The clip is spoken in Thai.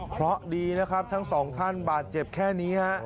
เพราะดีนะครับทั้งสองท่านบาดเจ็บแค่นี้ฮะ